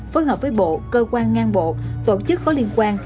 phối hợp với bộ cơ quan ngang bộ tổ chức có liên quan